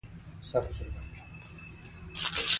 دلته پش ، نايي ، ترکاڼ او ډم ته د کال غنم ورکول کېږي